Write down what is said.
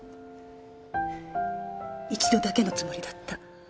一度だけのつもりだった。